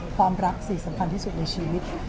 ความรักสิ่งสำคัญที่สุดในชีวิต